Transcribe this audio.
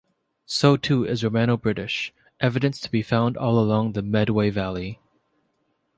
So too is Romano-British: evidence is to be found all along the Medway Valley.